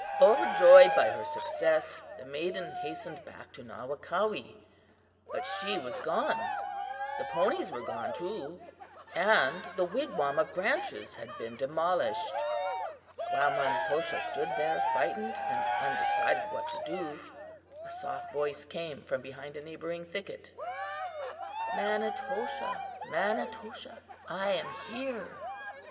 "Overjoyed by her success, the maiden hastened back to Nawakawee, but she was gone! The ponies were gone, too, and the wigwam of branches had been demolished. While Manitoshaw stood there, frightened and undecided what to do, a soft voice came from behind a neighboring thicket: "'Manitoshaw! Manitoshaw! I am here!